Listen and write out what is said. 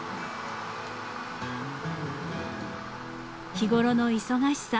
［日ごろの忙しさ。